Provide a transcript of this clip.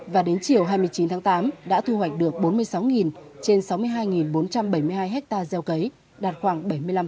và đến chiều hai mươi chín tháng tám đã thu hoạch được bốn mươi sáu trên sáu mươi hai bốn trăm bảy mươi hai hectare gieo cấy đạt khoảng bảy mươi năm